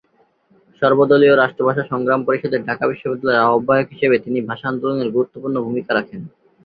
সর্বদলীয় রাষ্ট্রভাষা সংগ্রাম পরিষদের ঢাকা বিশ্ববিদ্যালয়ের আহবায়ক হিসেবে তিনি ভাষা আন্দোলনে গুরুত্বপূর্ণ ভূমিকা রাখেন।